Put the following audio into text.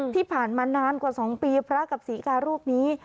ที่ผ่านมานานกว่า๒ปีพระกับศรีการูปนี้